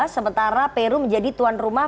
sementara peru menjadi tuan rumah